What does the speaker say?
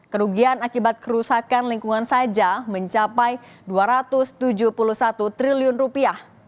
kerugian akibat kerusakan lingkungan saja mencapai dua ratus tujuh puluh satu triliun rupiah